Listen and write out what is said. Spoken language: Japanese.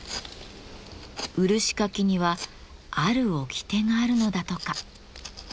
漆かきにはある掟があるのだとか。